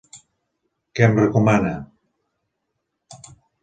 Què em recomana?